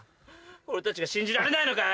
俺たちが信じられないのかよ。